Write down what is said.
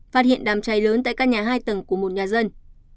phát hiện đàm cháy lớn tại các nhà hai tầng của một nhà dân